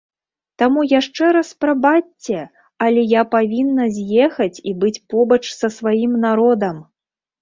Таму яшчэ раз прабачце, але я павінна з'ехаць і быць побач са сваім народам.